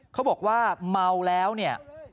เขาบอกว่าเมาแล้วเนี่ย